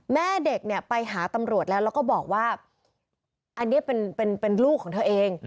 แม่เด็กเนี่ยไปหาตำรวจแล้วแล้วก็บอกว่าอันนี้เป็นลูกของเธอเอง